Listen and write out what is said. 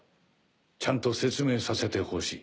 ちゃんと説明させてほしい。